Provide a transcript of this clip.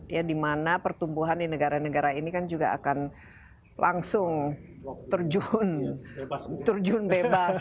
ya dimana pertumbuhan di negara negara ini kan juga akan langsung terjun bebas